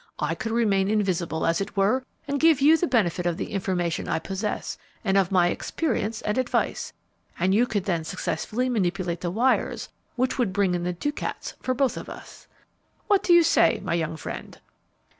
I could remain invisible, as it were, and give you the benefit of the information I possess and of my experience and advice, and you could then successfully manipulate the wires which would bring in the ducats for both of us. What do you say, my young friend?"